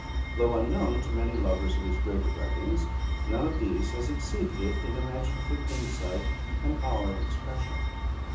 Though unknown to many lovers of his greater writings, none of these has exceeded it in imaginative insight and power of expression.